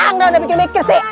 udah udah bikin mikir sih